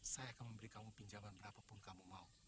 saya akan memberi kamu pinjaman berapa pun kamu mau